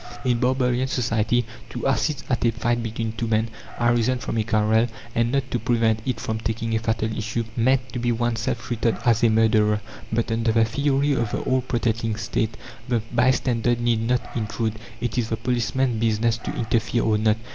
In barbarian society, to assist at a fight between two men, arisen from a quarrel, and not to prevent it from taking a fatal issue, meant to be oneself treated as a murderer; but under the theory of the all protecting State the bystander need not intrude: it is the policeman's business to interfere, or not.